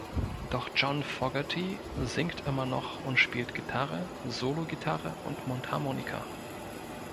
Doch John Fogerty singt immer noch und spielt Gitarre, Solo-Gitarre und Mundharmonika.